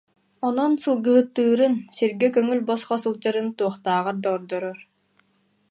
Онон сылгыһыттыырын, сиргэ көҥүл-босхо сылдьарын туохтааҕар да ордорор